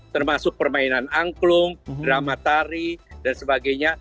termasuk permainan angklung drama tari dan sebagainya